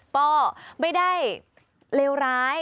เปล่าไม่ได้เลวร้าย